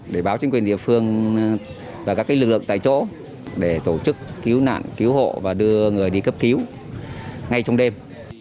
để báo chính quyền địa phương và các lực lượng tại chỗ để tổ chức cứu nạn cứu hộ và đưa người đi cấp cứu ngay trong đêm